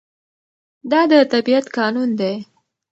دا د طبيعت قانون دی.